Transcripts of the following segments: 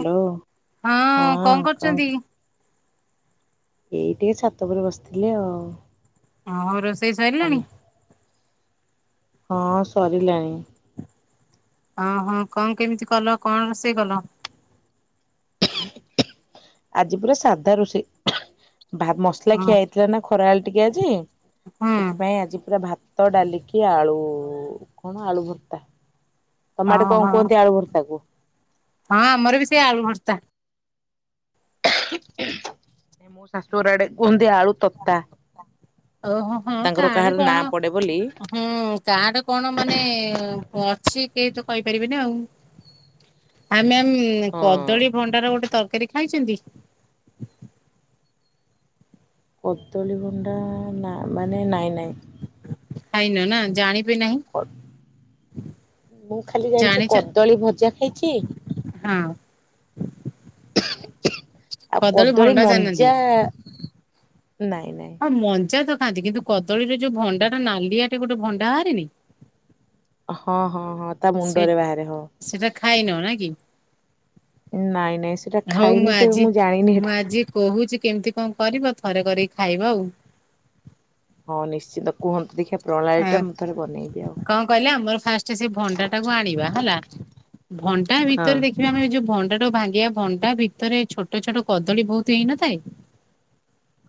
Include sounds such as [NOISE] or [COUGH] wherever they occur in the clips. Hello ହଁ କଣ କରୁଚନ୍ତି? ଏଇ ଟିକେ ଛାତ ଉପରେ ବସିଥିଲି ଆଉ। ହଁ ରୋଷ୍ ଷେଇ ସରିଲାଣି? ତମେ ହଁ ସରିଲାଣି। ହଁ ହଁ କଣ କେମିତି କଲ କଣ ରୋଷେଇ କଲ? ଆଜି ପୁରା ସାଧା ରୋଷେଇ। ଭା ମସଲା ହଁ ଖିଆ ହେଇଥିଲା ନା ଖରାବେଳେ ଟିକେ ଆଜି, ହୁଁ ସେଥିପାଇଁ ଆଜି ପୁରା ଭା ଭାତ, ଡାଲି କି ଆଳୁ କଣ ଆଳୁ ଭତ୍ତା। ତମ ଆଡ଼େ ଓହୋ କଣ କୁହନ୍ତି ଆଳୁ ଭରତ୍ତା କୁ? ହଁ ଆମର ବି ସେଇ ଆଳୁ ଭରତ୍ତା। ମୁଁ ଶାଶୁର ଆଡେ କୁହନ୍ତି। ଆଳୁ ତତା ଓହୋ ହଁ ତାଙ୍କର କାର କାହାର ନାଁ କଣ ପଡେ ବୋଲି ହୁଁ କାର କଣ ମାନେ- ଛି କେହିତ କହିପାରିବେନି ଆଉ ଆମେ ଆମେ ଉୁଁ ହଁ କଦଳୀ ଭଣ୍ଡାର ଗୋଟେ ତରକାରୀ ଖାଇଚନ୍ତି? କଦଳୀ ଭଣ୍ଡା ନା ମାନେ ନାଇଁ ନାଇଁ। ଖାଇନ ନା ଜାଣି କ ମୁଁ ଖାଲି ଜାଣିଚି ଜାଣିଛ କଦଳୀ ଭଜା ଖାଇଚି। [INAUDIBLE] [INAUDIBLE] ଆଉ କଦଳୀ ମଞ୍ଜା। ନାଇଁ ନାଇଁ ଆଉ ମଞ୍ଜା ତର ଖାନ୍ତି କିନ୍ତୁ କଦଳୀରେ ଯୋଉ ଭଣ୍ଡାଟା ନାଲିଆଟେ ଗୋଟେ ଭଣ୍ଡା ବାହାରିନି ହଁ। ହଁ ହଁ ତା ସେ ମୁଣ୍ଡରେ ବାହାରେ ହଁ ସେଟା ଖାଇନ ନା କି? ନାଇଁ ନାଇଁ ସେଟା ହଉ ଖାଇନି କେବେ ଆଜି ମୁଁ ଜାଣିନି ମୁଁ ହେଟା। ଆଜି କହୁଛି କେମିତି କଣ କରିବ ଥରେ କରିକି ଖାଇବା ଆଉ। ହଁ ନିଶ୍ଚିନ୍ତ କୁହନ୍ତୁ ଦେଖିଆ ପ୍ରଣାଳୀ ଟା ହୁଁ ମୁଁ ଥରେ ବନେଇବି ଆଉ। କଣ କହିଲେ ଆମର ଫାଷ୍ଟ ସେ ଭଣ୍ଡା ଟାକୁ ଆଣିବା ହେଲା ଭଣ୍ଡା ହଁ। ଭିତରେ ଦେଖିବା ଆମେ ଯୋଉ ଭ ଭଣ୍ଡା ଟାକୁ ଭାଙ୍ଗିବା ଭଣ୍ଡା ଭିତରେ ଛୋଟ ଛୋଟ କଦଳୀ ବହୁତ ହେଇନଥାଏ।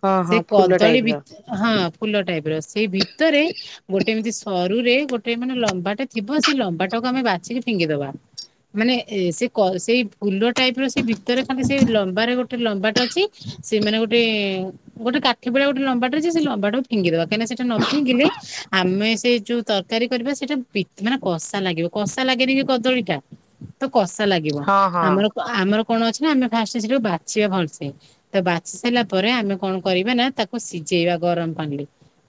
ହଁ ସେ ହଁ ଫୁଲ କଦଳୀ ଟାଇପ୍ ର ବି ହଁ। ଫୁଲ ଟାଇପ୍ ର ସେ ଭି ତରେ ଗୋଟେ ଏମିତି ସରୁ ରେ ଗୋଟେ ମାନେ ଲମ୍ବା ଥିବ ସେ ଲମ୍ବା ଟାକୁ ତମେ ବାଛିିକି ଫିଙ୍ଗି ଦବା ମାନେ ଏ ସେଇ କ ସେଇ ଫୁଲ ଟାଇପ୍ ର ସେ ଭିତରେ ଖାଲି ସେ ଲମ୍ବାରେ ଗୋଟେ ଲମ୍ବା ଅଛି ସେମାନେ ଗୋଟେ ଗୋଟେ କାଠି ଭଳିଆ ଗୋଟେ ଲମ୍ବାଟା ଅଛି ସେ ଲମ୍ବା ଟା ଫିଙ୍ଗି ଦବା କାହିଁକି ସେଟା ନ ଫିଙ୍ଗିଲେ ଆମେ ସେ ଯୋଉ ତରକାରୀ କରିବା। ସେଇଟା ପି ମାନେ କଷା ଲାଗିବ କଷା ଲାଗେନି କି କଦଳୀ ଟା ତ କଷା ଲାଗିବ ହଁ ହଁ ଆମର ଆମର କଣ ଅଛି ନା ଆମେ ଫାଷ୍ଟ ସେଠୁ ବାଛିବା ଭଲସେ ତ ବାଛି ସାରିଲା ପରେ ଆମେ କଣ କରିବା ନା ତାକୁ ସିଝେଇବା ଗରମ ପାଣିରେ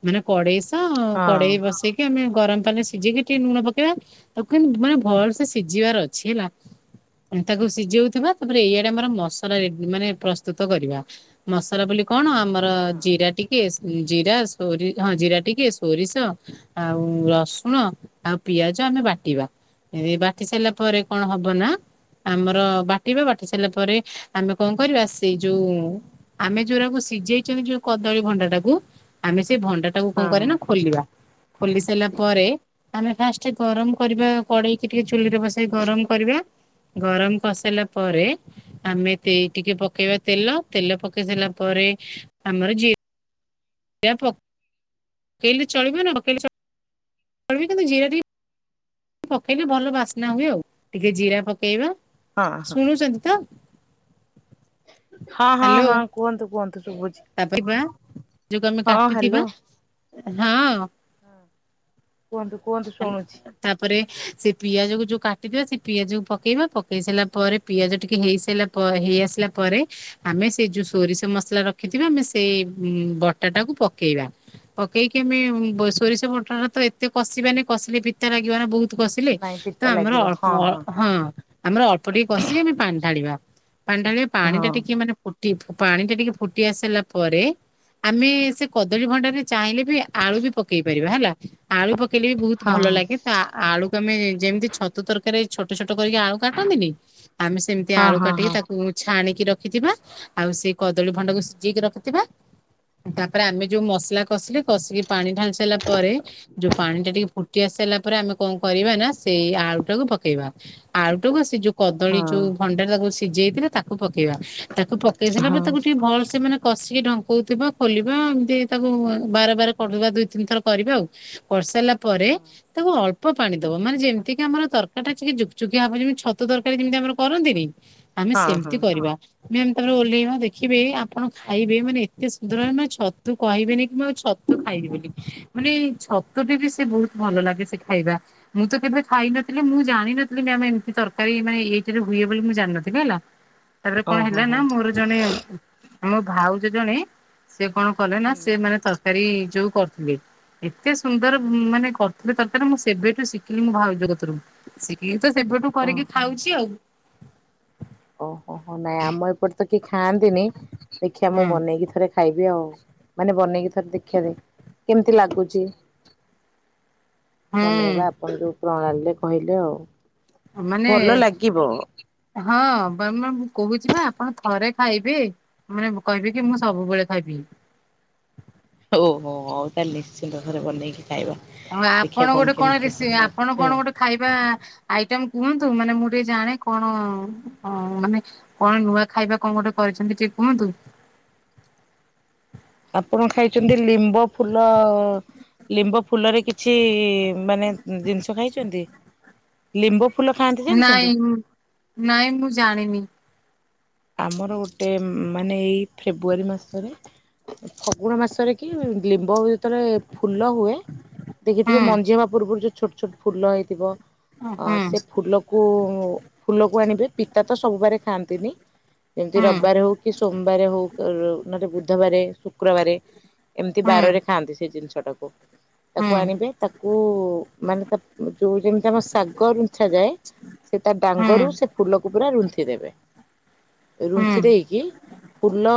ମାନେ କଡେଇ ତ ହଁ। କଡ଼େଇ ବସେଇକି ଆମେ ଗରମ ପାଣିରେ ସିଜେଇକି ଟିକେ ଲୁଣ ପକେଇବା ତାକୁ କେମିତି ମାନେ ଭଲ ସେ ସିଝିବାର ଅଛି ହେଲା। ତାକୁ ସିଜଉଥିବା ତାପରେ ଏଇଆଡେ ଆମର ମସଲା ରେ ମାନେ ପ୍ରସ୍ତୁତ କରିବା ମସଲା ବୋଲି କଣ ଆମର ହଁ ଜିରା ଟିକେ ଜିରା ସୋରି ହଁ ଜିରା ଟିକ୍ ଟିକେ ସୋରିଷ ଆଉ ରସୁଣ ଆଉ ପିଆଜ ଆମେ ବାଟିବା। ଏ ବାଟି ସାରିଲା ପରେ କଣ ହବ ନା ଆମର ବାଟିବା ବାଟି ସାରିଲା ପରେ ଆମେ କଣ କରିବା ସେଇ ଯୋଉ ଆମେ ଯୋଉଗୁରାକୁ ସିଝେଇଛନ୍ତି ଯୋଉ କଦଳୀ ଭଣ୍ଡା ଟାକୁ ଆମେ ସେଇ ଭଣ୍ଡାଟା ହଁ କଣ ହଁ କରେ ନା ଖୋଲିବା ଖୋଲି ସାରିଲା ପରେ ଆମେ ଫା‌ଷ୍ଟ ଗରମ କରିବା କଡେଇକି ଟିକେ ଚୁଲିରେ ବସେଇ ଗରମ କରିବା। ଗରମ କରିସାରିଲା ପରେ ଆମେ ଟିକେ ପକେଇବା ତେଲ ତେଲ ପକେଇ ସାରିଲା ପରେ ଆମର ଜି ବା ପକ୍ ପକେଇଲେ ଚଳିବ ନପକେଇଲେ ଚଳିବ କିନ୍ତୁ ଜିରା ଟିକେ ପକେଇଲେ ଭଲ ବାସ୍ନା ହୁଏ ଆଉ ଟିକେ ଜିରା ପକେଇବା ହଁ ଶୁଣୁଛନ୍ତି ତ? [INAUDIBLE] ହଁ ହଁ ହ୍ୟାଲୋ ହଁ କୁହନ୍ତୁ କୁହନ୍ତୁ। ଶୁଭୁଛି। ତାପରେ ଯୋଉଟା ଆମେ ହଁ କାଟିଥିବା ହାଲୋ ହଁ। କୁହନ୍ତୁ କୁହନ୍ତୁ ଶୁଣୁଛି। ତାପରେ ସେ ପିଆଜ କୁ ଯୋଉ କାଟି କାଟିଥିବା ସେ ପିଆଜକୁ ପକେଇବା ପକେଇ ସାରିଲା ପରେ ପିଆଜ ଟିକେ ହେଇସାରିଲା ପରେ ହେଇ ଆସିଲା ପରେ ଆମେ ସେ ଯୋଉ ସୋରିଷ ମସଲା ରଖିଥିବା ଆମେ ସେଇ ବଟା ଟାକୁ ପକେଇବା, ପକେଇକି ଆମେ ସୋରିଷ ବଟାଟା ତ ଏତେ କଷିବାନି କସଲି ପିତା ଲାଗିବନା ବହୁତ। କସିଲେ ନାଇଁ ତ ପିତା ଆମର ଲାଗିବ ଅଳ୍ପ ହଁ ହଁ ଆମର ଅଳ୍ପ ଟିକେ କଷିକି ଆମେ ପାଣି ଢାଳିବା। ପାଣି ଢାଳିଵେ ହଁ ପାଣିଟା ଟିକେ ମାନେ ଫୁ ପାଣି ଟା ଟିକେ ଫୁଟି ଆସିସାରିଲା ପରେ ଆମେ ସେ କଦଳୀ ଭଣ୍ଡାରେ ଚାହିଁଲେ ବି ଆଳୁ ବି ପକେଇ ପାରିବା ହେଲା ଆଳୁ ପକେଇଲେ ବି ହଁ ଭଲ ଲାଗେ ତ ଆଳୁକୁ ଆମେ ଯେମିତି ଛତୁ ତରକାରୀ ରେ ଛୋଟ ଛୋଟ କରିକି ଆଳୁ କାଟନ୍ତିନି ଆମେ ସେମିତି ହଁ ଆଳୁ ହଁ କାଟିକି ହଁ। ତାକୁ ଛାଣିକି ରଖିଥିବା ଆଉ ସେ କଦଳୀ ଭଣ୍ଡାକୁ ସିଝେଇକି ରଖିଥିବା, ତାପରେ ଆମେ ଯୋଉ ମସଲା କଷିଲେ କଷିକି ପାଣି ଢାଳି ସାରିଲା ପରେ ଯୋଉ ପାଣି ଟା ଟିକେ ଫୁ ଫୁଟିଆସି ସାରିଲା ପରେ ଆମେ କଣ କରିବା ନା ସେଇ ଆଳୁଟାକୁ ପକେଇବା, ଆଳୁଟାକୁ ଆଉ ସେ ଯୋଉ କଦଳୀ ଯୋଉ ହଁ ଭଣ୍ଡାର ସି ସିଯେଇଥିଲେ ତାକୁ ତାକୁ ପକେଇବା ତାକୁ ପକେଇ ସାରିଲା ହଁ ପରେ ତାକୁ ଟିକେ ଭଲ ସେ ମାନେ କଷିକି ଢଙ୍କଉଥଥିବା ଖୋଲିବା ଏମିତି ତାକୁ ବାର ବାର କରିବା ଦୁଇ ତିନି ଥର କରିବା ଆଉ, କରିସାରିଲା ପରେ। ତାକୁ ଅଳ୍ପ ପାଣି ଦବ ମାନେ ଯେମତି କି ଆମର ତରକାରୀଟା ଟିକେ ଜୁକଜୁକିଆ ହବ ଯେମିତି ଛତୁ ତରକାରୀ ଯେମିତି ଆମର କରନ୍ତିନି ଆମେ ହଁ ହଁ ସେମିତି କରିବା। ମୁମ ତାପରେ ଓହ୍ଲେଇବା ଦେଖିବେ ଆପଣ ଦେଖିବେ ଆପଣ ଖାଇବେ ମାନେ ଏତେ ସୁନ୍ଦର ମ ଛତୁ କହିବେନି କି ମୁଁ ଛତୁ ଖାଇବି ବୋଲି ମାନେ ଛତୁ ବି ସେ ବହୁତ। ଭଲ ଲାଗେ ସେ ଖାଇବା, ମୁଁ ତ କେବେ ଖାଇ ନଥିଲି ମୁଁ ଜାଣିନଥିଲି ଆମେ ଏମିତି ତରକାରୀ ପାଇଁ ଏଥିରେ ହୁଏ ବୋଲି ମୁଁ ଜାଣିନଥିଲି ହେଲା। ତାପରେ କଣ ଓହୋ ହେଲା ନା ହୋ ମୋର ଜଣେ ମୋ ଭାଉଜ ଜଣେ ସେ କଣ କଲେ ନା ହୁଁ ସେ ମାନେ ତର ଯୋଉ କରୁଥିଲେ କେତେ ସୁନ୍ଦର ମାନେ ଥିଲେ ତରକାରୀ ମୁଁ ସେବେଠୁ ଶିଖିଲି ମୁଁ ଭାଉଜ କତିରୁ ଶିଖିକି ତ ସେବଠୁ କରିକି ଖାଉଛି ଆଉ। ଓ। ଓହୋ ନାଇଁ ଆମ ଏପଟେ ତ କେହି ଖାଆନ୍ତିନି ଦେଖିବା ମୁଁ ହୁଁ ବନେଇକି ଥରେ ଖାଇବି ଆଉ ମାନେ ବନେଇକି ଥରେ ଦେଖିବି କେମିତି ଲାଗୁଛି। ବନେଇବା ହୁଁ ଆପଣ ଯୋଉ ପ୍ରଣାଳୀରେ କହିଲେ ଆଉ। ମାନେ ଭଲ ଲାଗିବ। ହଁ ମୁ କହୁଛି ବା ଆପଣ ଥରେ ଖାଇବେ ମାନେ କହିବେ କି ମୁଁ ସବୁବେଳେ ଖାଇବି। ଓହୋ ହଉ ତାହେଲେ ନିଶ୍ଚିନ୍ତ ଘରେ ବନେଇକି। ଖାଇବା ଦେଖିବା ଆପଣ ଗୋଟେ କଣ କେମିତି ସବୁ ଆପଣ ଲାଗୁଛି ଆଉ। କଣ ଗୋଟେ ଖାଇବା ଆଇଟମ କୁହନ୍ତୁ ମାନେ ମୁଁ। ଟେ ଜାଣେ କଣ ମାନେ କଣ ନୂଆ ଖାଇବା କଣ ଗୋଟେ କରିଛନ୍ତି ଟଏ କୁହନ୍ତୁ। ଆପଣ ଖାଇଛନ୍ତି ଲିମ୍ବ ଫୁଲ ଲିମ୍ବ ଫୁଲରେ। କିଛି ମାନେ ଜିନିଷ ଖାଇଛନ୍ତି। ଲିମ୍ବ। ଫୁଲ ଖାଆନ୍ତି ଜାଣିଛନ୍ତି? ନାଇଁ ନାଇଁ ମୁଁ ଜାଣିନି। ଆମର ଗୋଟେ ମାନେ ଏଇ ଫେବୃୁଆରୀ ମାସରେ ଫଗୁଣ ମାସରେ କି ଲିମ୍ବ ହୁଏ। ଯେତଳେ ଫୁଲ ହୁଏ ହୁଁ ଦେଖିଥିବେ ମଞ୍ଜି ହବା ପୂର୍ବରୁ ଯୋଦି। ଛୋଟ ଛୋଟ ଫୁଲ ହେଇଥିବ। ହୁଁ ହୁଁ ଅ ସେ ଫୁଲକୁ। ଫୁଲକୁ ଆଣିବେ ପିତା ତ ସବୁ ବାରେ ଖାଆନ୍ତିନି। ଯେମିତି ହୁଁ ରବିବାରେ ହଉ କି ସୋମବାରେ ହଉ ନଲେ ବୁଧ୍। ବୁଧବାରେ ଶୁକ୍ରବାରେ। ଏମିତି ହୁଁ ବାରରେ ଖାଆନ୍ତି ସେ ଜିନିଷ। ପିତା ଟାକୁ। ତାକୁ ହୁଁ ଆଣିବେ ତାକୁ ମାନେ ତା ଯୋଉ ଯେମିତି ଆମ ଶାଗ ରୁଛା ଯାଏ ସେ ତା ହୁଁ ଡାଙ୍ଗରୁ ସେ ଫୁଲକୁ ପୁରା ରୁନ୍ଥିି ଦେବେ। ହୁଁ ରୁନ୍ଥି ଦେଇକି ଫୁଲ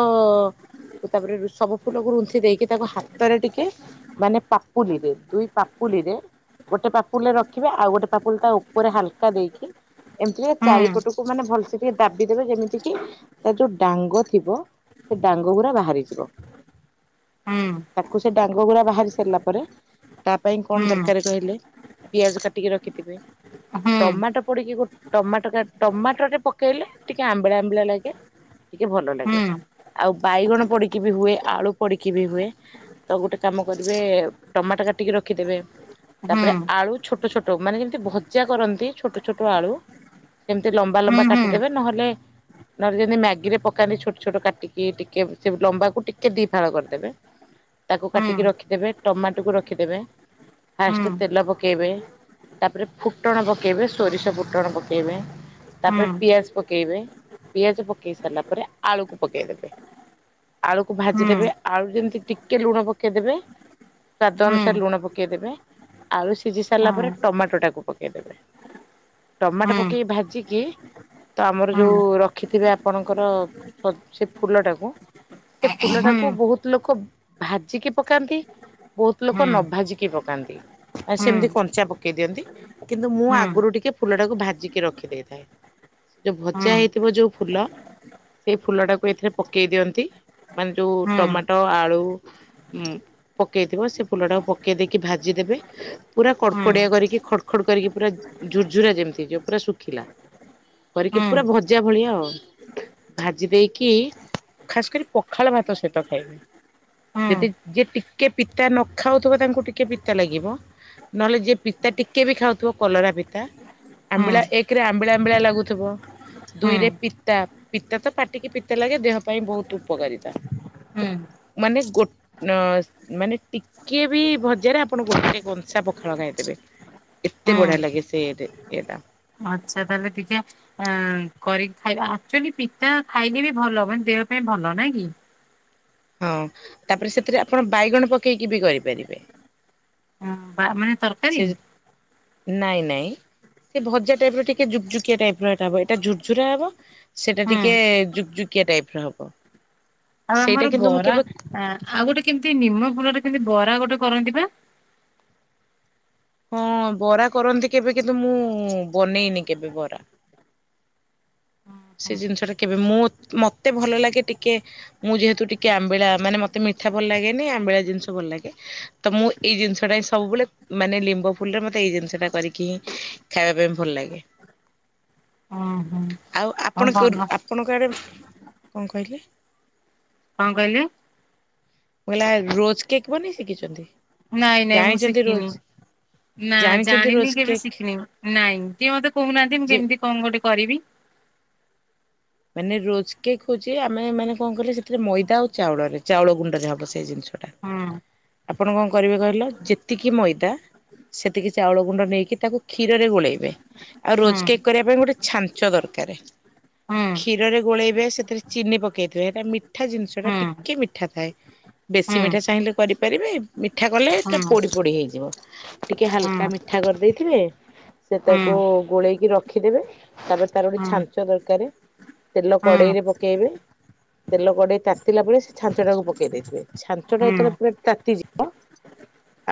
କୁ ତାପରେ ସବୁ ଫୁଲକୁ ରୁନ୍ଥିି ଦେଇକି ତାକୁ ହାତରେ ଟିକେ ମାନେ ପାପୁଲିରେ ଦୁଇ ପାପୁଲିରେ ଗୋଟେ ପାପୁଲିରେ ରଖିବେ ଆଉ ଗୋଟେ ପାପ୍ ଉଲ୍ଟା ଉପରେ ହାଲକା ଦେଇକି ଏମିତିରେ ଚାରିପଟକୁ ମାନେ ଭଲସେ ଟିକେ ଦାବି ଦେବେ ଯେମିତି ତାର ଯୋଉ ଡାଙ୍ଗ ଥିବ ସେ ଡାଙ୍ଗ ଗୁରା ବାହାରିଯିବ। ହୁଁ ତାକୁୁ ସେ ଡାଗ୍ ଡାଙ୍ଗ ଗୁଡ଼ା ବାହାରି ସାରିଲା ପରେ ତା ପାଇଁ କଣ ହୁଁ ଦରକାର କହିଲେ? ପିଆଜ କାଟିକି ରଖିଥିବେ। ହୁଁ ହୁଁ ଟମାଟୋ ପଡିକି ଗୋ ଟମାଟ କା-ଟମାଟଟେ ପକେଇଲେ ଟିକେ ଆମ୍ ଆମ୍ବିଳା ଲାଗେ ଟିକେ ଭଲ ଲାଗେ ଆଉ ବାଇଗଣ ପଡିକି ବି ହୁଏ ଆଳୁ ପଡିକି ବି ହୁଏ ତ ଗୋଟେ କାମ କରିବେ ଟମାଟ କାଟିକି ରଖିଦେବେ ତାପରେ ହୁଁ ଆଳୁ ଛୋଟ ଛୋଟ ମାନେ ଯେମିତି ଭଜା କରନ୍ତି ଛୋଟ ଛୋଟ ଆଳୁ ସେମିତି ଲମ୍ବା ଲମ୍ବା ହୁଁ ହୁଁ ହୁଁ କାଟିଦେବେ ନହେଲେ ନହେଲେ ଯେମିତି ମ୍ୟାଗିରେ ପକାନ୍ତି ଛୋଟ ଛୋଟ କାଟିକି ଟିକେ ସେ ଲମ୍ବାକୁ ଟିକେ ଦି ଫାଳ କରିଦେବେ ତାକୁ କାଟିକି ହୁଁ ରଖିଦେବେ ଟମାଟକୁ ରଖିଦେବେ ଫାଷ୍ଟ ତେଲ ପକେଇବେ ତାପରେ ଫୁଟଣ ପକେଇବେ ସୋରିଷ ଫୁଟଣ ପକେଇବେ। ତାପରେ ହୁଁ ପିଆଜ ପକେଇବେ। ପିଆଜ ପକେଇ ସାରିଲା ପରେ ଆଳୁକୁ ପକେଇଦେବେ। ଆଳୁକୁ ହୁଁ ଭାଜିଦେବେ ଆଳୁ ଯେମିତି ଟିକେ ଲୁଣ ପକେଇଦେବେ ସ୍ଵାଦ ଅନୁସାରେ ଲୁଣ ପକେଇଦେବେ। ଆଳୁ ସି ସିଝି ସାରିଲା ପରେ ଟମାଟଟାକୁ ପକେ ଇଦେବେ। ଟମାଟ ପକେଇି ଭାଜିକି ତ ଆମର ଯୋଉ ର କ୍ ଥିବେ ଆପଣଙ୍କର ପଶ୍ଚେ-ସେ ଫୁଲଟାକୁ। ସେ ଫୁଲଟାକୁ ବହୁତ ଲୋକ ଭାଜିକି ପକାନ୍ତି ବହୁତ ଲୋକ ନ ଭାଜିକି ପ କାନ୍ତି। ଆଉ ସେମିତି କଞ୍ଚା ପ ପକେଇ ଦିଅନ୍ତି। କିନ୍ତୁ ମୁଁ ଆଗରୁ ଟିକେ ଫୁଲ ଟାକୁ ଭାଜିକି ରଖିଦେଇଥାଏ। ଯୋଉ ଭଜା ହେଇଥିବ ଯୋଉ ଫୁଲ ସେଇ ଫୁଲଟାକୁ ଏଥିରେ ପକେଇ ଦିଅନ୍ତି ମାନେ ଯୋଉ ଆଚ୍ଛା ଟମାଟୋ ଆଳୁ ପକେଇଥିବ ସେ ଫୁଲଟାକୁ ପକେଇ ଦେଇକି ଭାଜିଦେବେ ପୁରା କଡ଼କଡିଆ କରିକି ଖଡ୍ କ ଖଡ କରିକି ପୁରା ଝୁୁରଝୁରା ଯେମିତି ଯୋଉ ପୁରା ଶୁଖିଲା କରିକି ପୁରା ଭଜା ଭଳିଆ ଆଉ। ଭାଜି ଦେଇକି ଖାସ କରି ପଖାଳ ଭାତ ସହିତ ଖାଇବେ। ଯଦି ଯିଏ ଟିକେ ପିତା ନ ଖାଉଥିବ ତାଙ୍କୁ ଟିକେ ପିତା ଲାଗିବ ନହେଲେ ଯିଏ ପିତା ଟିକେ ବି ଖାଉଥିବ କଲରା ପିତା ଆମ୍ବିଳା ଏକରେ ଆମ୍ବିଳା ମ୍ବିଳା ଲାଗୁଥିବ। ଦୁଇରେ ପି ପିତା ତ ପାଟିକି ପିତା ଲାଗେ ଦେହ ପାଇଁ ବହୁତ ଉପକାରିତା। ମାନେ ଗୋ-ଅଁ-ମାନେ ଟିକେ ବି ଭଜାରେ ଆପଣ ଗୋଟେ କଂସା ପଖାଳ ଖାଇଦେବେ। ଏତେ ବଢ଼ିଆ ଲାଗେ ସେ ଟା ଏଟା ଆଚ୍ଛା ତାହେଲେ ଟିକେ କରିକି ଖାଇ ଆଚୁଲି ପିତା ଖାଇଲେ ବି ଭଲ ହ ମାନ ଦେହ ପାଇଁ ଭଲ ନାଇ କି ହଁ ତାପରେ ସେଥିରେ ଆପଣ ବାଇଗଣ ପକେଇକି ବି କରିପାରିବେ ହଁ, ବା ମାନେ ସେ ତରକାରୀ ନାଇଁ ନାଇଁ ସେ ଭଜା ଟାଇପ ର ଟିକେୁକୁକିଆ ଟାଇପ ରଟା ହବ ଏଇଟା ଝୁରଝୁର ହବ ସେଇଟା ହୁଁ ଟିକେ ଜୁଗଝୁକିଆ ଟାଇପ ର ହବ ଆଉ ସେଇଟା ଆମର କିନ୍ତୁ ମୁଁ ବରା କେବେ ଆଉ ଗୋଟେ କେମିତି ନିମ ଫୁଲରେ ସେମିତି ବରା ଗୋଟେ କରନ୍ତି ବା ହଁ ବରା କରନ୍ତି କେବେ କିନ୍ତୁ ମୁଁ ବନେଇନି କେବେ ବରା ସେ ଜିନିଷ ଟା କେବେ ମୁଁ ମତେ ଭଲ ଲାଗେ ଟିକେ ମୁଁ ଯେହେତୁ ଟିକେ ଆମ୍ବିଳା ମାନେ ମତେ ମିଠା ଭଲ ଲାଗେନି ଆମ୍ବିଳା ଜିନିଷ ଭଲ ଲାଗେ ତ ମୁଁ ଏଇ ଜିନିଷ ଟା ହିଁ ସବୁବେଳେ ମାନେ ଲିମ୍ବ ଫୁଲରେ ମତେ ଏଇ ଜିନିଷ ଟା କରିକି ହିଁ ଖାଇବା ପାଇଁ ଭଲ ଲାଗେ ଓହୋ ଆଉ ହଉ ଆପଣ ଭଲ ଆପଣଙ୍କ ଆଡ଼େ କଣ କହିଲି କଣ କହିଲି କହିଲ ରୋଜ କେକ୍ ବନେଇ ଶିଖିଛନ୍ତି ନାଇଁ ନାଇଁ ମୁଁ ଜାଣିଛନ୍ତି ରୋଜ ଶିଖିନି ନା ଜାଣିଛନ୍ତି ରୋଜ ଜାଣିନି କେବେ କେକ୍ ଶିଖିନି ନାଇଁ ଟିକେ ମତେ କହୁନାହାନ୍ତି ମୁଁ ଯେ କେମିତି କଣ ଗୋଟେ କରିବି ମାନେ ରୋଜକକ୍ ହଉଛି ଆମେ ମାନେ କଣ କହିଲ ସେଥିରେ ମଇଦା ଆଉ ଚାଉଳରେ ଚାଉଳ ଗୁଣ୍ଡରେ ହବ ସେଇ ଜିନିଷ ଟା ହୁଁ ଆପଣ କଣ କରିବେ କହିଲ ଯେତିକି ମଇଦା ସେତିକି ଚାଉଳ ଗୁଣ୍ଡ ନେଇକି ତାକୁ କ୍ଷୀରରେ ଗୋଳେଇବେ ଆଉ ହୁଁ ରୋଜକକ୍ କରିବା ପାଇଁ ଗୋଟେ ଛାଞ୍ଚ ଦରକାର ହୁଁ କ୍ଷୀରରେ ଗୋଳେଇବେ ସେଥିରେ ଚିନି ପକେଇଥିବେ ସେଟା ମିଠା ଜିନିଷ ଟା ହୁଁ ଟିକେ ମିଠା ଥାଏ ବେଶୀ ମିଠା ଚାହିଁଲେ କରିପାରିବେ ମିଠା ହୁଁ କଲେଟା ହୁଁ ପୋଡି ପୋଡି ହେଇଯିବ ଟିକେ ହାଲକା ହୁଁ ମିଠା କରିଦେଇଥିବେ ସେ ହୁଁ ତାକୁ ଗୋଳେଇକି ରଖିଦେବେ ତାପରେ ତାର ଗୋଟେ ହୁଁ ହୁଁ ଛାଞ୍ଚ ଦରକାର ତେଲ ହୁଁ ହୁଁ କଡେଇରେ ପକେଇବେ ତେଲ କଡେଇ ତାତିଲା ପରେ ସେ ଛାଞ୍ଚଟାକୁ ପକେଇ ଦେଇଥିବେ ଛାଞ୍ଚ ହୁଁ ହୁଁ ଟା ଯେତେବେଳେ ପୁରା ତାତିଯିବ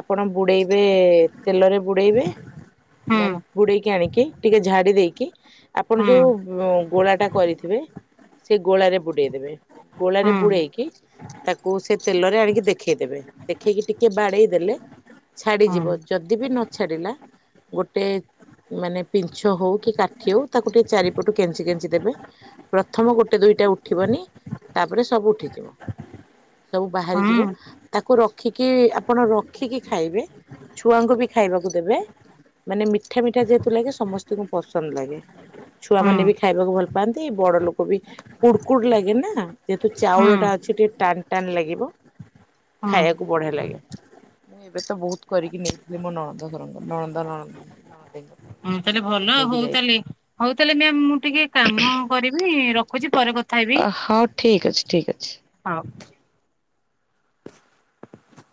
ଆପଣ ବୁଡେଇବେ ତେଲରେ ବୁଡେଇବେ ମାନେ ବୁଡେଇକି ଆଣିକି ଟିକେ ଝାଡି ଦେଇକି ଆପଣ ହୁଁ। ହୁଁ ଯୋଉ ଗୋଳା ଟା କରିଥିବେ ସେ ଗୋଳାରେ ବୁଡେଇଦେବେ ଗୋଳାରେ ହୁଁ ବୁଡେଇକି ତାକୁ ସେ ତେଲରେ ଆଣିକି ଦେଖେଇଦେବେ ଦେଖେଇକି ଟିକେ ବାଡେଇ ଦେଲେ ଛାଡିଯିବ ଯଦି ବି ନ ଛାଡିଲା ଗୋଟେ ମାନେ ପିଞ୍ଛ ହଉ କି କାଠି ହଉ ତାକୁ ଟିକେ ଚାରିପଟୁ କେଞ୍ଚି କେଞ୍ଚି ଦେବେ ପ୍ରଥମ ଗୋଟେ ଦୁଇଟା ଉଠିବନି ତାପରେ ସବୁ ଉଠିଯିବ। ସବୁ ବାହାରି ଯିବ। ହୁଁ ତାକୁ ରଖିକି ଆପଣ ରଖିକି ଖାଇବେ ଛୁଆଙ୍କୁ ବି ଖାଇବାକୁ ଦେବେ ମାନେ ମିଠା ମିଠା ଯେହେତୁ ଲାଗେ ସମସ୍ତଙ୍କୁ ପସନ୍ଦ ଲାଗେ। ଛୁଆମାନେ ବି ଖାଇବାକୁ ଭଲ ପାଆନ୍ତି ବଡ ଲୋକ ବି କୁଡକୁଡ ଲାଗେ ନା ଯେହେତୁ ହୁଁ ଚାଉଳ ଟା ଅଛି ଟିକେ ଟାନ ଟାନ ଲାଗିବ ଖାଇବାକୁ ବଢିଆ ଲାଗେ। ମୁଁ ଏବେ ତ ବହୁତ କରିକି ନେଇଥିଲି। ମୋ ନଣନ୍ଦ ଘରକୁ ନଣନ୍ଦ ନ ନଣନ୍ଦେଇଙ୍କ ପାଇଁ ହଁ ତାହେଲେ ଭଲ ନେଇକି ହଉ ତାହେଲେ ଯାଇଥିଲି। ହଉ ତାହେଲେ ମ୍ୟା ମୁଁ ଟିକେ କାମ କରିବି ରଖୁଛି ପରେ କଥା ହେବି ଅ ହଁ ଠିକ ଅଛି ଠିକ ହଉ। ଅଛି।